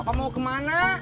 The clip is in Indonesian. bapak mau ke mana